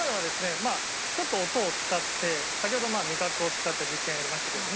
まあちょっと音を使って先ほど味覚を使った実験をやりましたけれども。